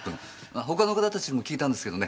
他の方たちにも聞いたんですけどね。